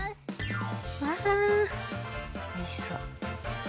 わおいしそう。